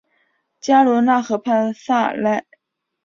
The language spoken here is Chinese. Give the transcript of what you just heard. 加罗讷河畔萨莱。